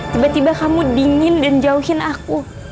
tiba tiba kamu dingin dan jauhin aku